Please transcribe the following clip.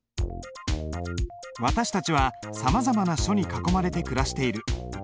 私たちはさまざまな書に囲まれて暮らしている。